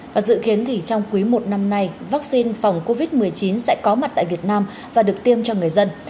và dự kiến thì trong cuối một năm nay vắc xin phòng covid một mươi chín sẽ có mặt tại việt nam và được tiêm cho người dân